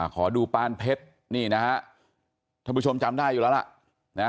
ขอดูปานเพชรนี่นะฮะท่านผู้ชมจำได้อยู่แล้วล่ะ